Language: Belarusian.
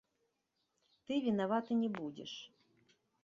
Ты вінаваты не будзеш.